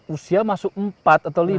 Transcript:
usia masuk empat atau lima